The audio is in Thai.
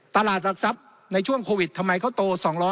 ตลาดหลักทรัพย์ในช่วงโควิดทำไมเขาโต๒๐๐